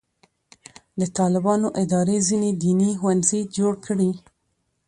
د طالبانو ادارې ځینې دیني ښوونځي جوړ کړي.